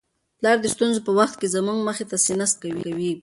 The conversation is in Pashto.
پلار د ستونزو په وخت کي زموږ مخ ته سینه سپر کوي.